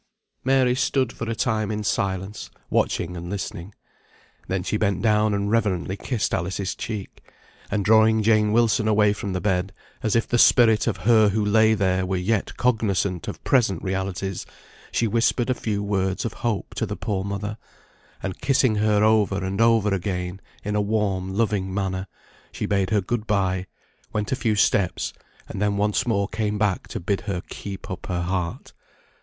Mary stood for a time in silence, watching and listening. Then she bent down and reverently kissed Alice's cheek; and drawing Jane Wilson away from the bed, as if the spirit of her who lay there were yet cognisant of present realities, she whispered a few words of hope to the poor mother, and kissing her over and over again in a warm, loving manner, she bade her good bye, went a few steps, and then once more came back to bid her keep up her heart.